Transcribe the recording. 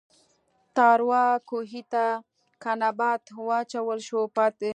تاروۀ کوهي ته کۀ نبات واچوې شور پاتې شي